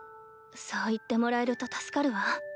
そう言ってもらえると助かるわ。